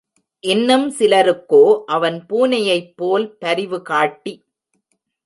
இன்னும் சிலருக்கோ அவன் பூனையைப் போல் பரிவுகாட்டி.